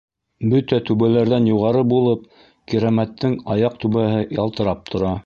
Бөтә түбәләрҙән юғары булып, Кирәмәттең аҡ түбәһе ялтырап тора.